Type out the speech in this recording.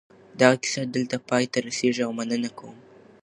دغه کیسه دلته پای ته رسېږي او مننه کوم.